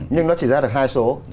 nhưng nó chỉ ra được hai số